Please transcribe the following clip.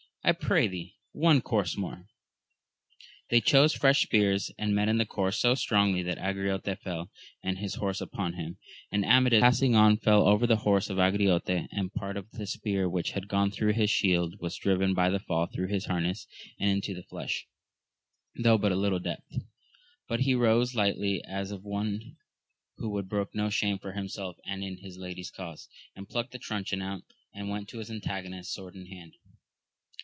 I pray thee one course more ! They chose fresh spears, and met in the course so strongly that * Angriote fell, and his horse upon him, and Amadis passing on fell over the horse of Angriote, and a pari of the spear which had gone through his shield, was driven by the fall through his harness and into the AMADIS OF GAUL. 115 flesh, though but a Kttle depth ; but he rose lightly, as one who would brook no shame for himself and in his lady's cause, and plucked the truncheon out, and went to his antagonist sword in hand.